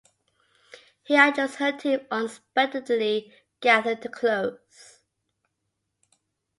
Here are just her team unexpectedly gathered to close.